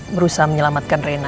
berusaha menyelamatkan rena